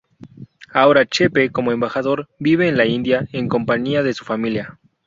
Ahora Chepe como embajador vive en la India en compañía de su familia.